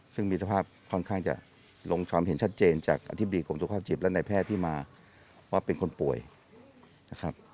ซึ่งมีสภาพค่อนข้างจะลงความเห็นชัดเจนจากอธิบดีกรมสุขภาพจิตและในแพทย์ที่มาว่าเป็นคนป่วยนะครับ